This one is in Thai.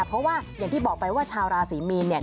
เพราะว่าอย่างที่บอกไปว่าชาวราศีมีนเนี่ย